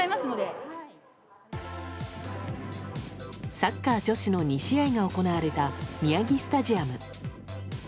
サッカー女子の２試合が行われた宮城スタジアム。